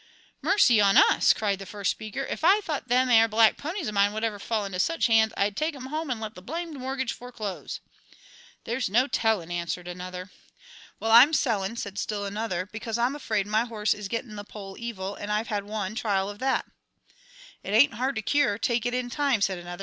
"Mercy on us!" cried the first speaker, "if I thought them 'ere black ponies of mine would ever fall into such hands, I'd take 'em home 'nd let the blamed mortgage foreclose." "There's no tellin'," answered another. "Well, I'm sellin'," said still another, "because I'm afraid my horse is getting the poll evil, 'nd I've had one trial of that." "It ain't hard to cure; take it in time," said another.